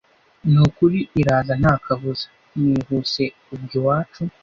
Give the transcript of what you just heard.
nukuri iraza nta kabuza, nihuse ubwo iwacu